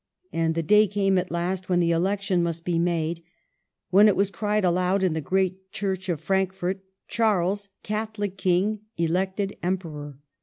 And the day came at last when the election must be made, when it was cried aloud in the great Church of Frankfort, ' Charles, Catholic King, elected Emperor